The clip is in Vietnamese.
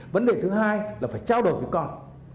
vấn đề thứ hai là phải trao đổi với con